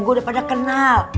gue udah pada kenal